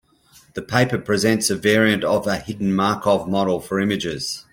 The paper presents a variant of a hidden Markov model for images.